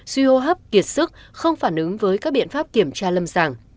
suy hô hấp kiệt sức không phản ứng với các biện pháp kiểm tra lâm sàng